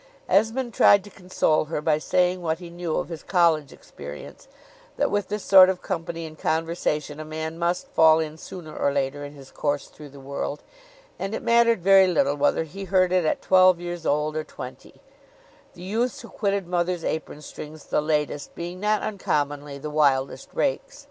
Esmond tried to console her by saying what he knew of his College experience; that with this sort of company and conversation a man must fall in sooner or later in his course through the world: and it mattered very little whether he heard it at twelve years old or twenty the youths who quitted mother's apron strings the latest being not uncommonly the wildest rakes.